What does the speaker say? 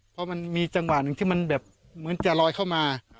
เพราะมันมีจังหวะหนึ่งที่มันแบบเหมือนจะลอยเข้ามา